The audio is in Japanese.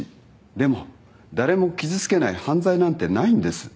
でも誰も傷つけない犯罪なんてないんです。